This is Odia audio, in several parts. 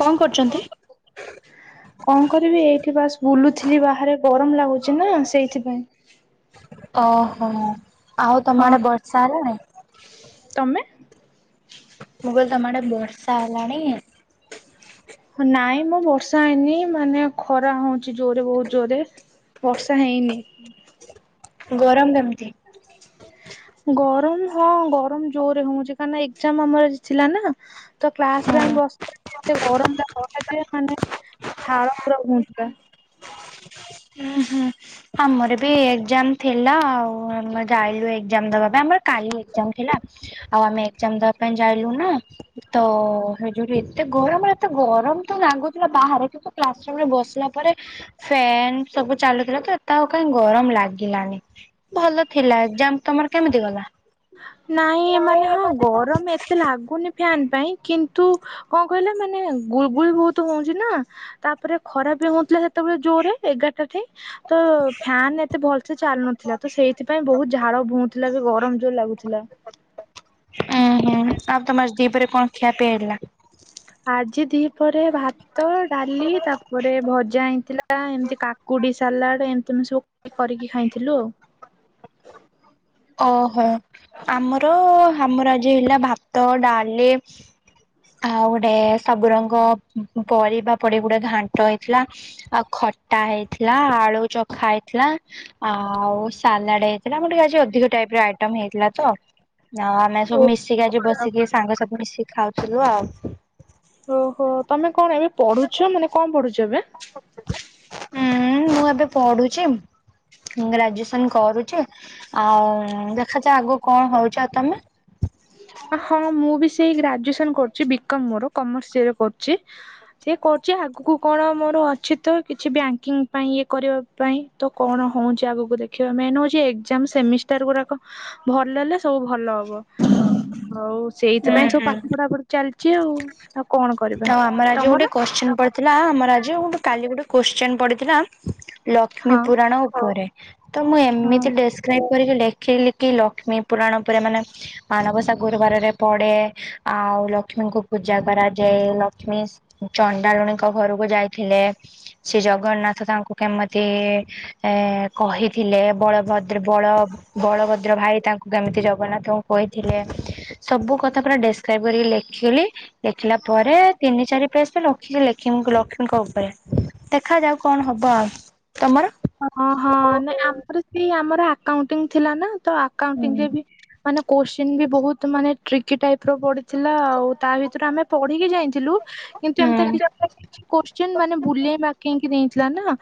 କଣ କରୁଛନ୍ତି? କଣ କରିବି ଏଇଠି ବାସ୍ ବୁଲୁଥିଲି ବାହାରେ ଗରମ ଲାଗୁଛି ନା ସେଇଥିପାଇଁ। ଓହୋ ଆଉ ତମ ହଁ ଆଡେ ବର୍ଷା ହେଲାଣି। ତମେ। ମୁଁ କହିଲି ତମ ଆଡେ ବର୍ଷା ହେଲାଣି। ନାଇଁ ମୁଁ ବର୍ଷା ହେଇନି ମାନେ ଖରା ହଉଚି ଜୋରରେ ବହୁତ ଜୋରରେ। ବର୍ଷା ହେଇନି। ଗରମ କେମିତି? ଗରମ ହଁ ଗରମ ଜୋରରେ ହଉଛି କାହିଁକିନା ଏକଜାମ ଆମର ଥିଲା ନା। ତ କ୍ଲାସରେେ ହୁଁ ଆମେ ବସିଥିଲୁ ଏତେ ଗରମ ଲାଗୁଥିଲା ଯେ ମାନେ। ଝାଳ ପୁରା ବୋହୁଥିଲା। ହୁଁ ହୁଁ ଆମର ବି ଏକଜାମ। ଥିଲା ଆଉ ଆମେ ଯାଇଲୁ ଏକଜାମ ଦବା ପାଇଁ ଆମର କାଲି ଏକଜାମ ଥିଲା। ଆଉ ଆମେ ଏକଜାମ ଦବା ପାଇଁ ଯାଇଲୁ ନା। ତ ସେ ଯୋଉଠୁ ଏତେ ଗରମ ଏତେ ଗରମ ତ ଲାଗୁଥିଲା ବାହାରେ କି ତ କ୍ଲାସ ରୁମରେ ବସିଲା ପରେ ଫ୍ୟନ୍ ସବୁ ଚାଲୁଥିଲା ତ। ତା ଆଉ କାହିଁ ଗରମ ଲାଗିଲାନି ଭଲ ଥିଲା ଏକଜାମ ତମର କେମିତି ଗଲା। ନାଇଁ ମାନେ ହଁ ଏପଟେ ତ ଗରମ ଏତେ ଲାଗୁନି। ଫ୍ୟାନ ପାଇଁ କିନ୍ତୁ କଣ କହିଲେ ମାନେ ଗୁଳଗୁଳି ବହୁତ ହଉଛି ନା। ତାପରେ ଖରାପ ବି ହଉଥିଲା ସେତେବେଳେ ଜୋରରେ ଏଗାରଟା ଠେଇ। ତ ଫ୍ୟାନ ଏତେ ଭଲ ସେ ଚାଲୁନଥିଲା ତ ସେଇଥିପାଇଁ ବହୁତ ଝାଳ ବୋଉଥିଲା ବି ଗରମ। ଜୋର ଲାଗୁଥିଲା। ଉଁ ହୁଁ ଆଉ ତମ ଆଜି ଦିପରେ କଣ ଖିଆପିଆ ହେଇଥିଲା। ଆଜି ଦି ପହରେ ଭାତ ଭାତ ଡାଲି ତାପରେ ଭଜା ହେଇଥିଲା ଏମିତି କାକୁଡି ସାଲାଡ ଏଣୁତେଣୁ ସବୁ। କରିକି ଖାଇଥିଲୁ। ଓହୋ ଆମର ଆମର ଆଜି ହେଲା ଭାତ, ଡାଲି ଆଉ ଗୋଟେ ସବୁ ରଙ୍ଗ ଉଁ ପରିବା ପଡି ଗୁଡେ ଘାଣ୍ଟ ହେଇଥିଲା। ଆଉ ଖଟା ହେଇଥିଲା ଆଳୁ ଚଖା ହେଇଥିଲା। ଆ ଆଉ ସାଲାଡ ହେଇଥିଲା ଆମ ଟିକେ ଆଜି ଅ ଅଧିକ ଟାଇପର ଆଇଟମ୍ ହେଇଥିଲା ତ ଆଉ ଆମେ ଆଜି ସବୁ ମି ଶିକି ଆଜି ବସିକି ସାଙ୍ଗସଥି ମିଶିକି ଖାଉଥୁଲୁ ଆଉ। ଓହୋ ତମେ କଣ ଏବେ ପଢୁଛ ମାନେ କଣ ପଢୁଛ ଏବେ? ଉଁ ମୁଁ ଏବେ ପଢୁଚି ଗ୍ରାଜୁଏସନ କରୁଚି ଆଉ ଦେଖାଯାଉ ଆଗକୁ କଣ ହୋଉଚି ଆଉ ତମେ? ହଁ ମୁଁ ବି ସେଇ ଗ୍ରାଜୁଏସନ କରୁଚି ବି କମ୍ ମୋର କମର୍ସରେ କରୁଚି। ସିଏ କରୁଚି ଆଗକୁ କଣ ମୋର ଅଛି ତ କିଛି ବ୍ୟାଙ୍କିଙ୍ଗ ପାଇଁ ଇଏ କରିବ ପାଇଁ ତ କଣ ହୋଉଚି ଆଗକୁ ଦେଖିବା ମେନ୍ ହୋଉଚି ଏଗଜାମ ସେମିଷ୍ଟାରଗୁରାକ ଭଲ ହେଲେ ସବୁ ଭଲ ହ ବ ଆଉ ହୁଁ ସେଇଥିପାଇଁ ସବୁ ହୁଁ ପାଠ ପଢାପଢି ଚାଲିଚି ଆଉ ଆଉ କଣ କ ତ ଆମେ ଆଜି ଗୋଟେ କୋଶ୍ଚିନ ପ ଥିଲା ଆମର ଆଜି ଗୋଟେ କାଲି ଗୋଟେ କୋଶ୍ଚନ ପଢଥିଲା ଲ ଲକ୍ଷ୍ମୀ ହଁ ପୁରାଣ ଉପରେ ତ ମୁଁ ହଁ। ଏମିତି ଡେ କ୍ରାଇବ୍ କରିକି ଲେଖିଲି କି ଲକ୍ଷ୍ମୀ ପୁରାଣ ଉପରେ ମାନେ ମାଣବସା ଗୁରୁବାରରେ ପଡେ ଆଉ ଲକ୍ଷ୍ମୀଙ୍କୁ ପୂଜା କରା ଯେ ଲକ୍ଷ୍ମୀ ଚଣ୍ଡାଲୁଣୀଙ୍କ ଘରକୁ ଯାଇଥିଲେ ଶ୍ରୀ ଜଗନ୍ନାଥ ତାଙ୍କୁ କେମିତି ଏ କହିଥିଲେ ବଳଭଦ୍ର ବଳ ବଳଭଦ୍ର ଭାଇ ତାଙ୍କୁ କେମିତି ଜଗନ୍ନାଥଙ୍କୁ କହିଥିଲେ ସବୁ କଥା ପୁରା ଡେସକ୍ରାଇବ କରିକି ଲେଖିଲି ଲେଖିଲା ପରେ ତିନି ଚାରି ପେଜଟା ରଖିଚି ଲେଖିନି ଲକ୍ଷ୍ମୀଙ୍କ ଓପରେ ଦେଖାଯାଉ କଣ ହବ ଆଉ ତମର? ଅହଁ ନାଇଁ ଆମର ସେଇ ଆମର ଆକାଉଣ୍ଟିଂ ଥିଲା ନା ତ ହୁଁ। ଆକାଉଣ୍ଟିିଂରେ ବି ମାନେ କୋଶ୍ଚିନ୍ ବି ବୋହୁତ ମାନେ ଟ୍ରିକି ଟାଇପର ପଡିଥିଲା ଆଉ ତା ଭିତରୁ ଆମେ ପଢ଼ିକି ଯାଇଥିଲୁ କିନ୍ତୁ ଏମତି ତ କି କୋଶ୍ଚିନ ମାନେ ବୁଲେଇ ମାକେଇ ଦେଇଥିଲା ନା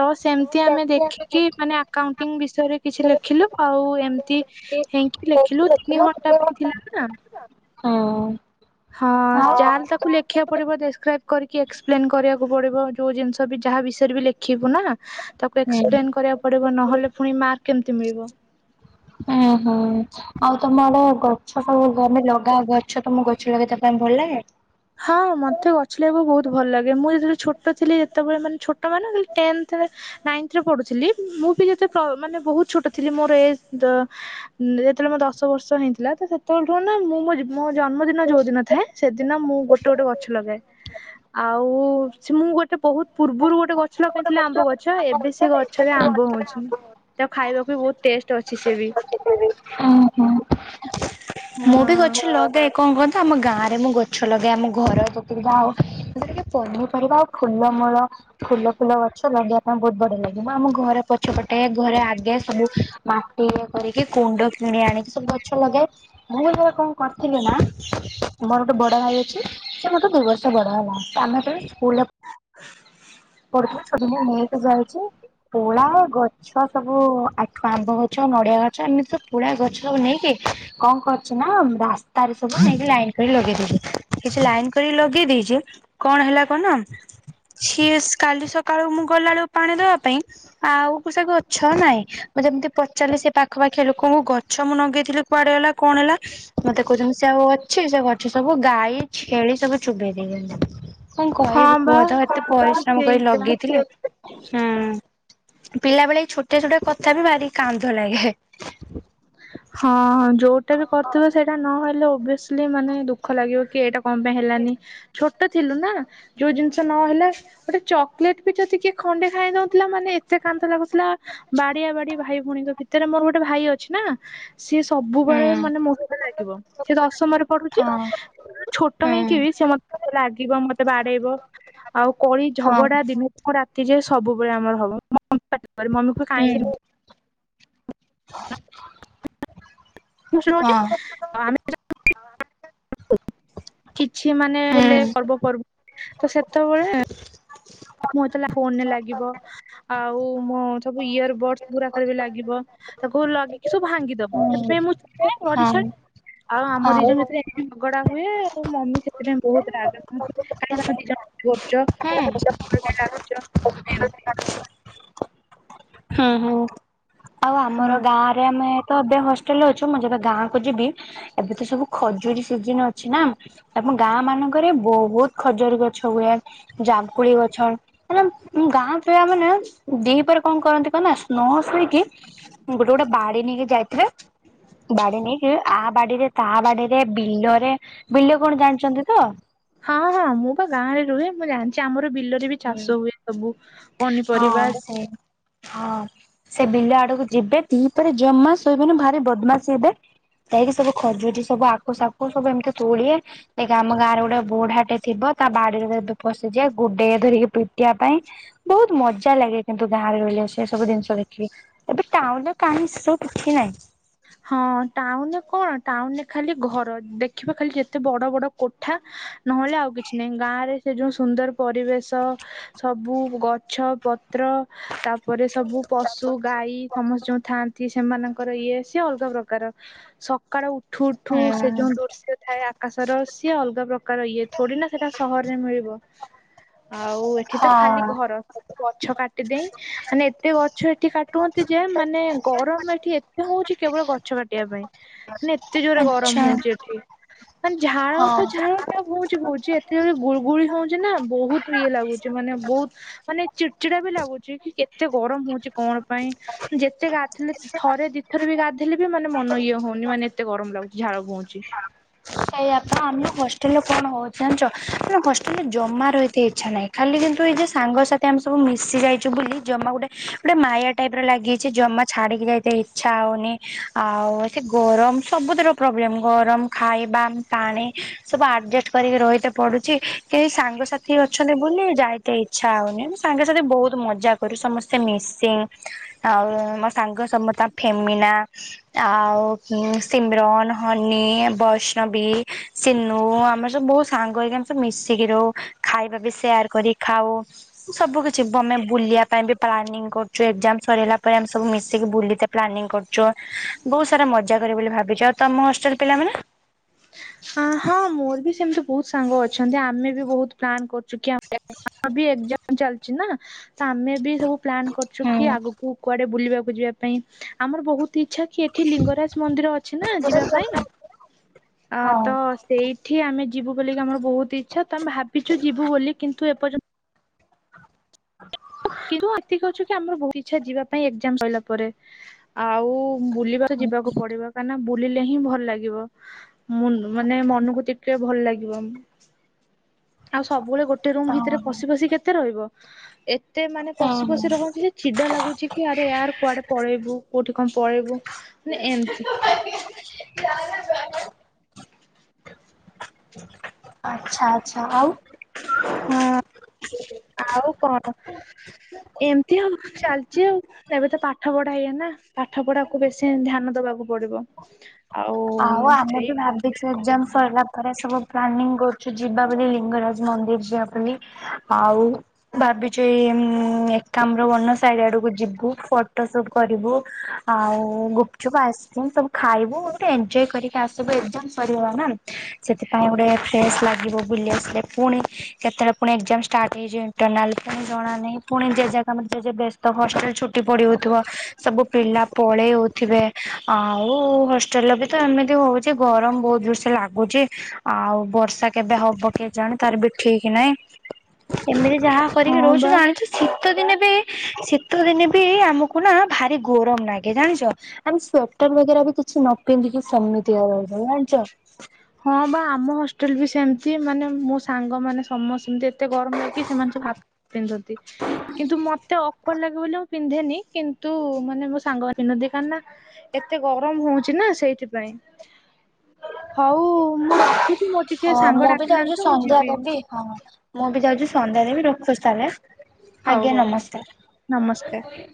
ତ ସେ ଠି ହଁ। ଆଉ ଆମେ ଦେଖିକି ମାନେ ଆକାଉଣ୍ଟିଙ୍ଗ ବିଷୟରେ କିଛି ଲେଖିଲୁ ଆଉ ଏମତି‌ ହେଇଁକି ଲେଖିଲୁ ତିନି ଘଣ୍ଟା ପାଇଁ ଥିଲା ନା। ହଁ। ହଁ ଯାହାହେଲେ ତାକୁ ଲେଖିବାକୁ ପଡିବ ଡେସକ୍ରାଇବ କରିକି ଏକ୍ସପ୍ଲେନ କରିବାକୁ ପଡିବ ଯୋଉ ଜିନିଷ ବି ଯାହା ବିଷୟରେ ବି ଲେଖିବୁ ନା। ତାକୁ ଏକ୍ସପ୍ଲେନ କରିବାକୁ ପଡିବ ନହେଲେ ଫୁଣି ମାର୍କ କେମିତି ମିଳିବ। ଓହୋ। ଆଉ ତମର ଗଛ ସବୁ ଗମେ ଲଗା ଗଛ ତମ ଗଛ ଲଗେଇତେ ପାଇଁ ଭଲ ଲାଗେ? ହଁ ମତେ ଗଛ ଲାଗବାକୁ ବୋହୁତ ଭଲ ଲାଗେ ମୁଁ ଯେତେବେଳେ ଛୋଟ ଥିଲି ଯେତେବେଳେ ମାନେ ଛୋଟ ମାନେ ଟେନ୍ଥରେ ନାଇନ୍ଥରେ ପଢୁଥିଲି ମୁଁ ବି ଯେତେ ପ ମାନେ ବୋହୁତ ଛୋଟ ଥିଲି ମୋର ଏଜର ଉଁ ଯେତେବେଳେୋର ମୋ ଦଶ ବର୍ଷ ହେଇଁଥିଲା ତ ସେ ତଳଠୁ ନା ମୁଁ ମୋ ଜିବ ମୋ ଜନ୍ମଦିନ ଯୋଉ ଦିନ ଥାଏ ସେଦିନ ମୁଁ ଗୋଟେ ଗୋଟେ ଗଛ ଲଗାଏ ଆଉ ସେ ମୁଁ ଗୋଟେ ବୋହୁତ ପୂର୍ବରୁ ଗୋଟେ ଗଛ ଛ ଲଗେଇଥିଲି ଆମ୍ବ ଗଛ ଏବେ ସେ ଗଛରେ ଆମ୍ବ ହୋଉଛି। ତାକୁ ଖାଇବାକୁ ବି ବୋହୁତ ଟେଷ୍ଟ ଅଛି ସିଏ ବି। ଓହୋ। ମୁଁ ବି ଗଛ ଲଗାଏ କଁ କଥା ଆମ ଗାଁରେ ମୁଁ ଗଛ ଲଗାଏ ଆମ ଘର ଯେତିକି ଯାଉ ସେଇଟାକି ପନିପରିବା ଆଉ ଫୁଲମୂଳ ଫୁଲ ଫୁଲ ଗଛ ଲଗେଇବା ପାଇଁ ବହୁତ ବଢିଆ ଲାଗିବ ମୁଁ ଆମ ଘର ପଛ ପଟେ ଘର ଆ ଗେ ସବୁ ମାଟି କରିକି କୁଣ୍ଡ କିଣି ଆଣିକି ସବୁ ଗଛ ଲଗାଏ ମୁଁ [unintelligible] କଣ କରି ଥିଲିନା ମୋର ଗୋଟେ ବଡ ଭାଇ ଅଛି ସେ ମୋଠୁ ଦି ବର୍ଷ ବଡ ହେଲା ଆମେ ହେତେବେଳେ ସ୍କୁଲରେ ପଢୁଥିଲୁ ଛୋଟ [unintelligible] ନେଇକି ଯାଇଛି ପୋଳା ଗ ଛ ସବୁ ଆଠୁ ଆମ୍ବ ଗଛ, ନଡିଆ ଗଛ ଏମିତି ତ ପୁଳା ଗଛ ସବୁ ନେଇକି କଁ କର କିଛି ନା ରାସ୍ତାରେ ସବୁ ନେଇକି ଲାଇନ କରି ଲଗେଇ ଦେଇଛି କିଛି ଲାଇନ କରି ଲଗେଇ ଦେଇଚି କଣ ହେଲା କଣନା ସିଏ ଶ୍ କାଲି ସକାଳୁ ମୁଁ ଗଲାଳୁ ପାଣି ଦବା ପାଇଁ ଆଉ କୁ ସେ ଗଛ ନାଇଁ ମୁଁ ଯେମିତି ପଚାରିଲି ସେ ପାଖପାଖିଆ ଲୋକଙ୍କୁ ଗଛ ମୁଁ ନଗେଇଥିଲି କୁଆଡେ ଗଲା କଣ ହେଲା ମତେ କହୁଚନ୍ତି ସେ ଆଉ ଅଛି ସେ ଗଛ ସବୁ ଗାଈ, ଛେଳି ସବୁ ଚୋବେଇ ଦେଇ [unintelligible] କଁ ହଁ କହିବି କୁହ ବା ତ ଏତେ ପରିଶ୍ରମ କରି ସେଇଟା। ଲଗେଇଥିଲି ହୁଁ ପି ପିଲା ବେଳେ ଏଇ ଛୋଟିଆ ଛୋଟିଆ କଥା ବି ଭାରି କାନ୍ଧ ଲାଗେ ହଁ ଯୋଉଟା ବି କରିଥିବ ସେଇଟା ନହଲେ ଓବିଅସ୍ ଲି ମାନେ ଦୁଃଖ ଲାଗିବ କି ଏଇଟା କଁ ପାଇଁ ହେଲାନି ଛୋଟ ଥିଲୁ ନା ଯୋଉ ଜିନିଷ ନହେଲା ଗୋଟେ ଚକଲେଟ ବି ଯଦି କିଏ ଖଣ୍ଡେ ଖାଇ ନଉଥିଲା ମାନେ ଏତେ କାନ୍ଦ ଲାଗୁଥିଲା ବାଡିଆ ବାଡି ଭାଇ ଭଉଣୀଙ୍କ ଭିତରେ ମୋର ଗୋଟେ ଭାଇ ଅଛି ନା ସିଏ ହୁଁ ସବୁବେଳେ ମାନେ ମୋ ସହିତ ଲାଗିବ ସିଏ ଦଶମରେ ପଢୁଚି ହଁ ଛୋଟ ହେଇକି ହୁଁ ବି ସେ ମତେ ଲାଗିବ ମତେ ବାଡେଇବ ଆଉ କଳି ହଁ ଝଗଡା ଦିନୁକୁ ରାତି ଯାଏ ସବୁବେଳେ ଆମର ହବ ମମି ପାଟିକରେ ମମି କୁହେ କାଇଁ ସେ ଏ ହ ବସି ରହୁଚି ହଁ କିଛି ମାନେ ହେଲେ ହୁଁ। ପର୍ବପର୍ବ ତ ସେତବେଳେ ମୁଁ ହେତଲେ ତା ଫୋନରେ ଲାଗିବ ଆଉ ମୋ ସବୁ ଇୟରବଡସ ଗୁରାକରେ ବି ଲାଗିବ ତାକୁ ଲଗିକି ସବୁ ଭାଙ୍ଗିଦବ। ହୁଁ ସେଥିପାଇଁ ମୁଁ [unintelligible] ହଁ ଆଉ ଆମ ଦି ହଁ। ଜଣ ଭିତରେ ଝଗଡା ହୁଏ ଆଉ ମମି ସେଥିପାଇଁ ହୁଁ ବହୁତ [unintelligible] କାଇଁ ତମେ ଦି ଜଣ ଏମିତି ହଉଚ ହଁ [unintelligible] କାଇଁ ଲାଗୁଚ ଏମତି ହୁଁ ହୁଁ ଆଉ ହଁ। ଆମର ଗାଁ ରେ ଆମେ ତ ଏବେ ହଷ୍ଟେଲରେ ଅଛୁ ମୁଁ ଯେବେ ଗାଁକୁ ଯିବି ଏବେତ ସବୁ ଖଜୁରୀ ସିଜିନ ଅଛି ନା ଆମ ଗାଁ ମାନଙ୍କରେ ବହୁତ ଖଜରି ଗଛ ହୁଏ। ଜାମୁ କୋଳି ଗଛ ମାନେ ଗାଁ ପିଲା ମାନେ ଦିପରେ କଁ କରନ୍ତି କନା ନ ଶୋଇକି ଗୋଟେ ଗୋଟେ ବାଡି ନେଇକି ଯାଇଥିବେ ବାଡି ନେଇକି ଆ ବାଡିରେ ତା ବାଡିରେ ବିଲରେ ବିଲ କଣ ଜାଣିଚନ୍ତି ତ ହଁ ହଁ ମୁଁ ପା ଗାଁରେ ରୁହେ ମୁଁ ଜାଣିଚି ଆମର ବିଲରେ ବି ହୁଁ। ଚାଷ ହୁଏ ସବୁ ହଁ ପନିପରିବା ସେଇ ହଁ ସେ ବିଲ ଆଡକୁ ଯିବେ ଦିପହରେ ଜମା ଶୋଇବେନି ଭାରି ବଦମାସି ହେବେ। ପାଇକି ସବୁ ଖଜୁରି ସବୁ ଆଖୁ ସାଖୁ ସବୁ ଏମିତି ତୋଳିବେ ଦେଖେ ଆମ ଗାଁରେ ଗୋଟେ ବୁଢାଟେ ଥିବ ତା ବାଡିରେ [unintelligible] ପସିଯିବେ ଗୁଡେଇବ ଧରିକି ପିଟିବା ପାଇଁ ବହୁତ୍ ମଜା ଲାଗେ କିନ୍ତୁ ଗାଁରେ ରହିଲେ ସେ ସବୁ ଜିନିଷ ଦେଖିକି ଏବେ ଟାଉନରେ କାହିଁ ସେ କିଛି ନାଇଁ ହଁ ଟାଉନରେ କଣ ଟାଉନରେ ଖାଲି ଘର ଦେଖିବ ଖାଲି ଯେତେ ବଡ ବଡ- - କୋଠା ନହେଲେ ଆଉ କିଛି ନାହିଁ ଗାଁ ରେ ସେ ଯୋଉ ସୁନ୍ଦର ପରିବେଶ। ସବୁ ଗଛ ପତ୍ର ତାପରେ ସବୁ ପଶୁ ଗାଈ ସମସ୍ତେ ଯୋଉ ଥାଆନ୍ତି। ସେମାନଙ୍କ ଇଏ ସିଏ ଅଲଗା ପ୍ରକାର ସକାଳ ଉଠୁ ଉଠୁ ସେ ହୁଁ ଯୋଉ ଦୃଶ୍ୟ ଥାଏ। ଆକାଶର ସିଏ ଅଲଗା ପ୍ରକାର ଇଏ ଥୋଡି ନା ସେଟା ସହରରେ ମିଳିବ। ଆଉ ଏଠି ତ ଖାଲି ହଁ ଘର ସବୁ ଗଛ କାଟିଦେଇ ମାନେ ଏତେ ଗଛ ଏଠି କାଟି କାଟୁଛନ୍ତି ଯେ ମାନେ ଗରମ ଏଠି ଏତେ ହଉଛି କେବଳ ଗଛ କାଟିବା ପାଇଁ ମାନେ ଏତେ ଜୋରେ ଗରମ ଆଚ୍ଛା ହଉଚି ଏଠି ମାନେ ଝାଳ ହଁ। ତ ଝାଳ ବହଉଛି ବହଉଛି ଏତେଜୋରରେ ଗୁଳଗୁଳି ହଉଛି ନା ବହୁତ ଇଏ ଲାଗୁଛି ମାନେ ବହୁତ ମାନେ ଚିଡ଼ଚିଡା ବି ଲାଗୁଛି କି କେତେ ଗରମ ହଉଛି କଣ ପାଇଁ ଯେତେ ଗାଧେଇଲେପି ଥରେ ଦି ଥରେ ବି ଗାଧେଇଲେ ବି ମାନେ ମନ ଇଏ ହଉନି ମାନେ ଏତେ ଗରମ ଲାଗୁଛି ଝାଳ ବହୁଉଛି। ସେଇଆପା ଆମ ହଷ୍ଟେଲରେ କଣ ହେଉଛି ଜାଣିଛ ଆମ ହଷ୍ଟେଲରେ ଜମାରୁ ଏତେ ଇଚ୍ଛା ନାହିଁ। ଖାଲି କିନ୍ତୁ ଏଇ ଯେ ସାଙ୍ଗସାଥି ଆମେ ସବୁ ମିଶି ଯାଇଛୁ ବୋଲି ଜମା ଗୋଟେ ଗୋଟେ ମାୟା ଟାଇପର ଲାଗିଛି ଜମା ଛାଡିକି ଯିବାକୁ ଇଚ୍ଛା ହଉନି ଆଉ ସେ ଗରମ ସବୁଥିରେ ପ୍ରୋବ୍ଲେମ୍ ଗରମ ଖାଇବା ପାଣି ସବୁ ଆଡ଼ଜେଷ୍ଟ କରିକି ରହିଥା। ପଢୁଛି କେହି ସାଙ୍ଗସାଥି ଅଛନ୍ତି ବୋଲି ଯାଇତେ ଈଛି। ଇଛା ହଉନି ଆ ସାଙ୍ଗେ ସାଥି ବହୁତ ମଜା କରୁ ସମସ୍ତେ ମିସିଙ୍ଗି। ଆଉ ମୋ ସାଙ୍ଗ ସମତା ଫେମିନା। ଆଉ ସିମରନ୍ ହନି ବଷ୍ଣ ବୈଣବୀ ସିନୁ ଆମେ ସବୁ ସାଙ୍ଗ ହେଇକି ଆମେ ସବୁ ମିଶିକି ରହୁ ଖାଇବା ବି ସେୟାର କରି ଖାଉ। ସବୁ କିଛି ଆମେ ବୁଲିବା ପାଇଁ ବି ପ୍ଲାନିଂ କରୁଛୁ ଏକ୍ଜାମ ସରିଲା ପରେ ଆମେ ସବୁ ମିଶିକି ବୁଲି ପ୍ଲାନିଂ କରୁଛୁ ବହୁତ ସାରା ମଜା କରିବୁ ବୋଲି ଭାବିଛୁ, ଆଉ ତମ ହଷ୍ଟେଲ ପିଲାମାନେ ହଁ ହଁ ମୋର ବି ସେମିତି ବହୁତ ସାଙ୍ଗ ଅ ଆମେ ବି ବହୁତ ପ୍ଲାନ୍ କରୁଛୁ କି ଆମେ ଆମର ବି ଏକ୍ଜାମ ଚାଲିଛି ନା ତ ଆମେ ବି ସବୁ ପ୍ଲାନ୍ କରିଚୁ କି ହୁଁ ଆଗକୁ କୁଆଡେ ବୁଲିବାକୁ ଯିବା ପାଇଁ ଆମର ବହୁତ ଇଚ୍ଛା କି ଏଠି ଲିଙ୍ଗରାଜ ମନ୍ଦିର ଅଛି ନା ଯିବା ପାଇଁ ଆ ହଁ ତ ତ ସେଇଠି ଆମେ ଯିବୁ ବୋଲି ଆମର ବହୁତ ଇଛା ତ ଆମେ ଭାବିଛୁ ଯିବୁ ବୋଲି କିନ୍ତୁ ଏପର୍ଯ୍ୟନ୍ତ ହ କିନ୍ତୁ ଏତିକି ଅଛୁ କି ଆମର ବହୁତ ଇଛା ଯିବା ପାଇଁ ଏକ୍ଜାମ ସରିଲା ପରେ ଆଉ ବୁଲିବା ଯିବାକୁ ପଡିବ। କାରଣ ବୁଲିଲେ ହିଁ ଭଲ ଲାଗିବ ମୁ-ମାନେ ମନକୁ ଟିକେ ଭଲ ଲାଗିବ। ଆଉ ସବୁବେଳେ ଗୋଟେ ରୁମ ଭିତରେ ପଶି ପଶି କେତେ ରହିବ। ଏ ଏତେ ମାନେ ପଶି ପଶି ରହନ୍ତି ଯେ ଛିଦା ଲାଗୁଛି କି ଆରେ ୟାର କୁଆଡେ ପଳେଇବୁ କୋଉଠି କଣ ପଳେଇବୁ ମାନେ ଏମିତି [unintelligible] ଆଚ୍ଛା ଆଚ୍ଛା ଆଉ ହଁ ଆଉ କଣ ଏମିତି ଆଉ ଚାଲିଛି ଆଉ ଏବେ ତ ପାଠ ପଢା ଏଇନେ ପାଠ ପଢାକୁ ବେଶୀ ଧ୍ୟାନ ଦବାକୁ ପଡିବ। ଆଉ ଆମେ ସେଇ ବି ଭାବିଛୁ ଏକ୍ଜାମ ସରିଲା ପରେ ସବୁ ପ୍ଲାନିଙ୍ଗ କରୁଛୁ ଯିବା ବୋଲି ଲିଙ୍ଗରାଜ ମନ୍ଦିର ଯିବା ବୁଲି। ଆଉ ଭାବିଛୁ ଏକମ୍ର ବନ ସାଇଡ ଆଡକୁ ଯିବୁ ଫଟୋ ସୁଟ କରିବୁ। ଆଉ ଗୁପଚୁପ ଆଇସ୍କ୍ରିମ୍ ସବୁ ଖାଇବୁ। ଏଞ୍ଜୟ କରିକି ଆସିବୁ ଏକ୍ଜାମ ସରିଗଲା ନା। ସେଥିପାଇଁ ଗୋଟେ ଫ୍ରେସ୍ ଲାଗିବ ବୁଲି ଆସିଲେ ପୁଣି କେତେବେଳେ ପୁଣି ଏଜାମ ଷ୍ଟାର୍ଟ ହେଇଯିବ। ଟେନାଲ ପାଇଁ ଜଣା ନାଇଁ। ପୁଣି ଜେଝା କାମ ତ ଜେଝା ବେ ତ ହଷ୍ଟେଲରେ ଛୁଟି ପଡି ହଉଥିବ ସବୁ ପିଲା ପଳେଇ ହଉଥିବେ ଆଉ ହ- - ତେଲ ବି ତ ଏମିତି ହଉଚି। ଗରମ ବହୁତ ଜଷ ଲାଗୁଚି। ଆଉ ବର୍ଷା କେବେ ହବ କେଜାଣି ତାର ବି ଠିକି ନାହିଁ? ଏମିତି ଯାହା କରିକି ହଁ ରହୁଚୁ ବା ଜାଣିଚୁ। ଶୀତ ଦିନେକୁବି ବି ଶୀତ ଦିନେ ବି ଆମକୁ ନା ଭାରି ଗରମ ଲାଗେ ଜାଣିଚ। ଆମେ ସ୍ଵେଟର ବଗେରା ବି କିଛି ନ ପିନ୍ଧିକି ସମିତିଆ ରହଚୁ ଜାଣିଚ। ହଁ ବା ଆମ ହଷ୍ଟେଲ ବି ସେମିତି ମାନେ ମୋ ସାଙ୍ଗ ମାନେ ସମସ୍ତେମତି ଏତେ ଗରମ ଲାଗି ସେମାନେ ସବୁ ହାତ ପିନ୍ଧନ୍ତି। କିନ୍ତୁ ମତେ ଅ - - ର୍ଡ ଲାଗେ ବୋଲି ଲାଗେ ବୋଲି ମୁଁ ପିନ୍ଧେନି କିନ୍ତୁ ମାନେ ମୋ ସାଙ୍ଗ ପିନ୍ଧନ୍ତି କାର ନା- - ଏତେ ଗରମ ହେଉଚି ନା ସେଇଥିପାଇଁ। ହଉ ମୁଁ ରଖୁଛି ମୋ ଟିକେ ସାଙ୍ଗ ଡାକିଲାାନି ତ ମୁଁ ଯିବି। ଅଁ ହଁ ମୁଁ ବି ଯାଉଛି ସନ୍ଧ୍ୟାାରେ ବି ରଖୁଛି ତାହେଲେ। ହଉ, ଆଜ୍ଞା ହଉ ନମସ୍କାର। ନମସ୍କାର।